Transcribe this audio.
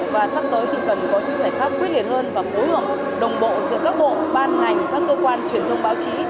và sắp tới thì cần có những giải pháp quyết liệt hơn và phối hợp đồng bộ giữa các bộ ban ngành các cơ quan truyền thông báo chí